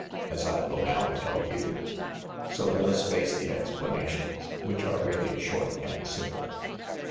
As I will now tell you. So let us face the explanations, which are really short and simple.